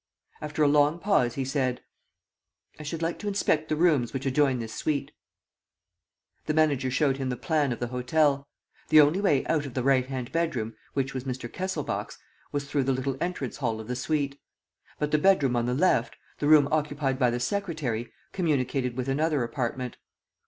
After a long pause he said: "I should like to inspect the rooms which adjoin this suite." The manager showed him the plan of the hotel. The only way out of the right hand bedroom, which was Mr. Kesselbach's, was through the little entrance hall of the suite. But the bedroom on the left, the room occupied by the secretary, communicated with another apartment.